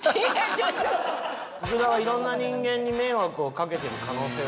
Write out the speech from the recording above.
福田はいろんな人間に迷惑をかけてる可能性はあると。